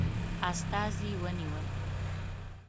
استازي ونیول.